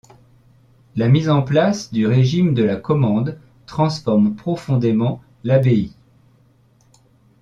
La mise en place du régime de la commende transforme profondément l'abbaye.